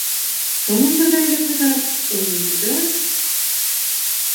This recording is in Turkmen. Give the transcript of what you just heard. Soňam birden ejesine tarap öwrüldi-de: